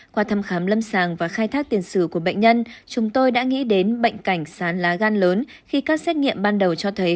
qua thăm khám lâm sàng và khai thác tiền sử của bệnh nhân chúng tôi đã nghĩ đến bệnh cảnh sát lá gan lớn khi các xét nghiệm ban đầu cho thấy